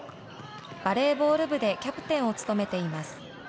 バレーボール部でキャプテンを務めています。